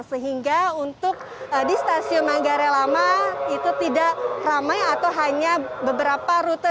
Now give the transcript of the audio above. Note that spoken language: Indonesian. sehingga untuk di stasiun manggarai lama itu tidak ramai atau hanya beberapa rute